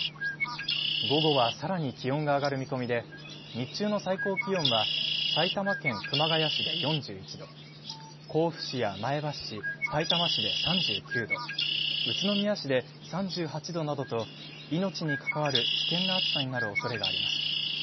午後はさらに気温が上がる見込みで、日中の最高気温は埼玉県熊谷市で４１度、甲府市や前橋市、さいたま市で３９度、宇都宮市で３８度などと命に関わる危険な暑さになるおそれがあります。